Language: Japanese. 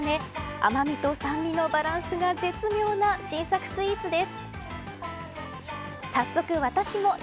甘みと酸味のバランスが絶妙な新作スイーツです。